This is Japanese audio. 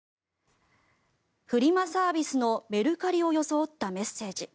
フリマサービスのメルカリを装ったメッセージ。